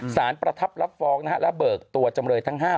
ประทับรับฟ้องและเบิกตัวจำเลยทั้ง๕